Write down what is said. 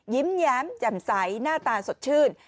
ยิ้มแย้มแจ่มใสหน้าตาสดชื่น